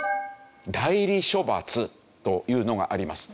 「代理処罰」というのがあります。